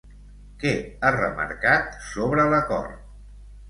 Què ha remarcat sobre l'acord?